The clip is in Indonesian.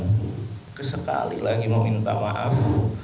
saya kesekali lagi meminta maaf